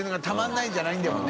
鵑犬ないんだもんね